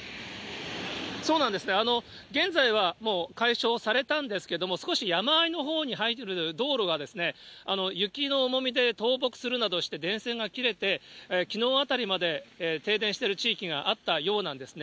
そうなんですね、現在はもう解消されたんですけれども、少し山あいのほうに入る道路が、雪の重みで倒木するなどして電線が切れて、きのうあたりまで停電している地域があったようなんですね。